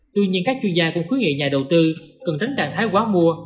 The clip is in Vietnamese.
tuy nhiên các chuyên gia cũng khuyến nghị nhà đầu tư cần tránh trạng thái quá mua